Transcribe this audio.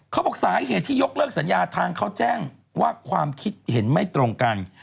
เขาบอกสาเหตุที่ยกเลิกสัญญาทางเขาแจ้งว่าความคิดเห็นไม่ตรงกัน